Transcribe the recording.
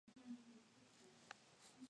Jordan, Michael, "Enciclopedia de los dioses".